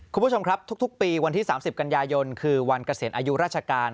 คุณผู้ชมครับทุกปีวันที่๓๐กันยายนคือวันเกษียณอายุราชการ